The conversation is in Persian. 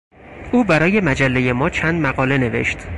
او برای مجلهی ما چند مقاله نوشت.